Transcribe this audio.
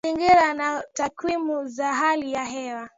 Mazingira na Takwimu za hali ya hewa